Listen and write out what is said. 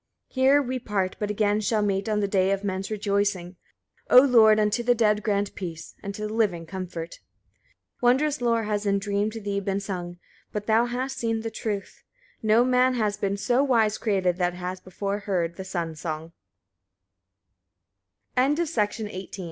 82. Here we part, but again shall meet on the day of men's rejoicing. Oh Lord! unto the dead grant peace, and to the living comfort. 83. Wondrous lore has in dream to thee been sung, but thou hast seen the truth: no man has been so wise created that has before heard